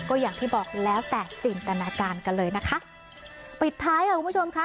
ก็อย่างที่บอกแล้วแต่จินตนาการกันเลยนะคะปิดท้ายค่ะคุณผู้ชมค่ะ